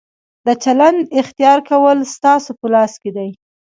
د چلند اختیار کول ستاسو په لاس کې دي.